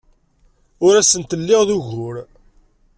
Ur asent-lliɣ d ugur.